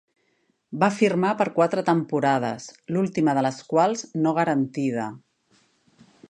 Va firmar per quatre temporades, l'última de les quals no garantida.